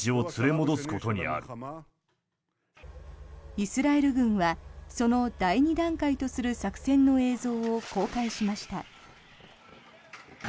イスラエル軍はその第２段階とする作戦の映像を公開しました。